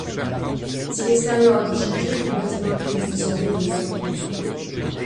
Si l'extérieur a peu changé, le bâtiment accueille désormais des appartements privés.